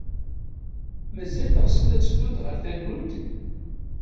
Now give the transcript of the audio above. Mazal teɣsed ad teddud ɣer tallunt?